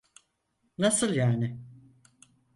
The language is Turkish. Nasıl yani?